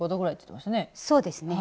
そうですね。